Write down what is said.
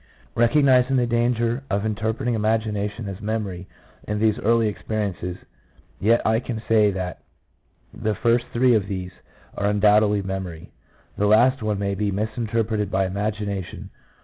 Recognizing the danger of interpreting imagination as memory in these early experiences, yet I can say that the first three of these are undoubtedly memory; the last one may be misinterpreted imagination.